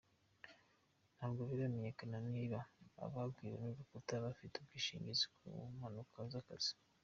Ntabwo biramenyekana niba abagwiriwe n’urukuta bafite ubwishingizi ku mpanuka z’akazi.